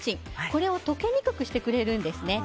これを溶けにくくしてくれるんですね。